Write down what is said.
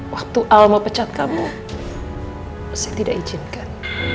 waktu alma pecat kamu saya tidak izinkan